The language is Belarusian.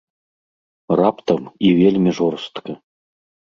Раптам і вельмі жорстка.